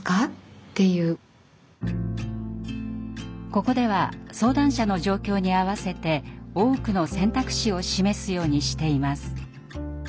ここでは相談者の状況に合わせて多くの選択肢を示すようにしています。